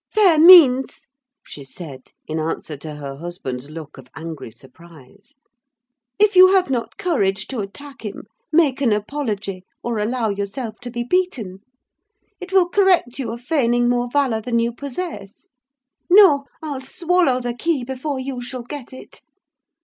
"Fair means!" she said, in answer to her husband's look of angry surprise. "If you have not courage to attack him, make an apology, or allow yourself to be beaten. It will correct you of feigning more valour than you possess. No, I'll swallow the key before you shall get it!